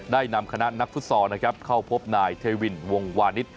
นำคณะนักฟุตซอลนะครับเข้าพบนายเทวินวงวานิส